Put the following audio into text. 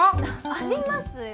ありますよ。